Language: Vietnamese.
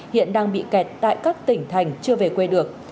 hiện đang bị kẹt tại các tỉnh thành chưa về quê được